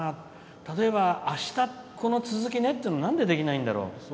例えば、あしたこの続きねってなんで、できないんだろう。